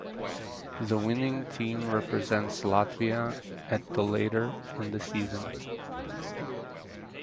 The winning team represents Latvia at the later in the season.